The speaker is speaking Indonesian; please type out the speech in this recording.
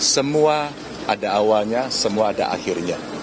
semua ada awalnya semua ada akhirnya